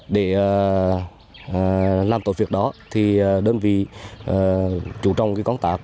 để làm tốt việc đó đơn vị chủ trọng công tác